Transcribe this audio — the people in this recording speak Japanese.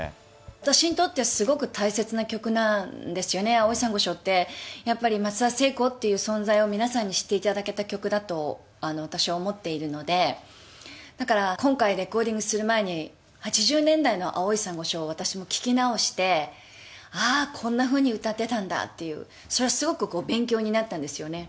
私にとってはすごく大切な曲なんですよね、青い珊瑚礁って、やっぱり松田聖子っていう存在を皆さんに知っていただけた曲だと私は思っているので、だから今回レコーディングする前に、８０年代の青い珊瑚礁を私も聴き直して、あー、こんなふうに歌ってたんだっていう、それはすごく勉強になったんですよね。